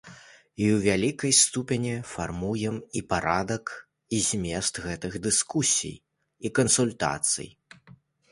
І ў вялікай ступені фармуем і парадак, і змест гэтых дыскусій і кансультацый.